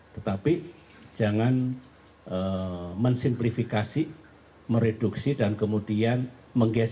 tetapi jangan mensimplifikasi mereduksi dan kemudian menggeser